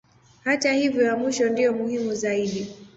Hata hivyo ya mwisho ndiyo muhimu zaidi.